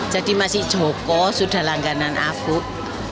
jadi masih joko sudah langganan afqook